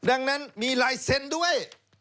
ดังนั้นมีไลเซ็นด้วย